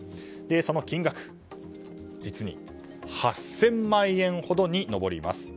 その金額、実に８０００万円ほどに上ります。